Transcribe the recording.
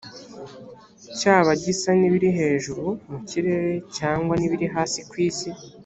cyaba gisa n’ibiri hejuru mu kirere cyangwa n’ibiri hasi ku isi,